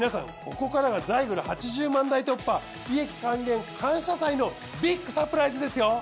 ここからがザイグル８０万台突破利益還元感謝祭のビッグサプライズですよ。